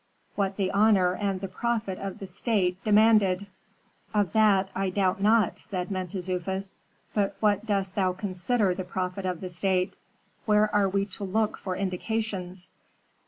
"What the honor and the profit of the state demanded." "Of that I doubt not," said Mentezufis. "But what dost thou consider the profit of the state? Where are we to look for indications?"